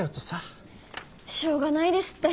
しょうがないですって。